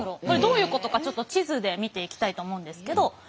これどういうことかちょっと地図で見ていきたいと思うんですけど。